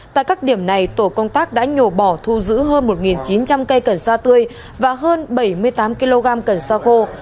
tại các điểm này tổ công tác đã nhổ bỏ thu giữ hơn một chín trăm linh cây cần sa tươi và hơn bảy mươi tám kg cần xa khô